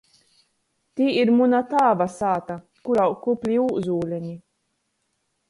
Tī ir muna tāva sāta, kur aug kupli ūzuleni.